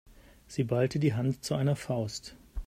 Sie ballte die Hand zu einer Faust.